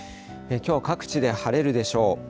きょうは各地で晴れるでしょう。